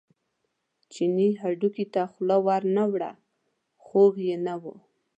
چیني هډوکي ته خوله ور نه وړه خوږ یې نه و.